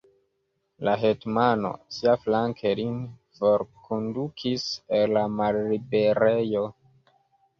La hetmano siaflanke lin forkondukis el la malliberejo!